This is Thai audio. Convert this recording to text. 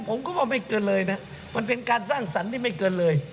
ผมก็ว่าไม่เกินเลยนะมันเป็นการสร้างสรรค์ที่ไม่เกินเลย